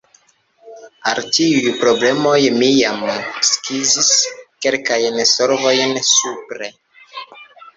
Al tiuj problemoj mi jam skizis kelkajn solvojn supre.